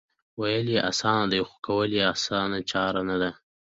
وېل یې اسان دي خو کول یې اسانه چاره نه ده